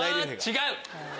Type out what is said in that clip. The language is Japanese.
違う！